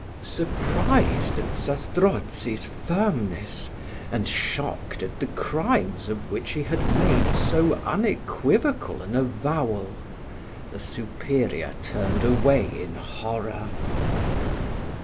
Surprised at Zastrozzi's firmness, and shocked at the crimes of which he had made so unequivocal an avowal, the superior turned away in horror.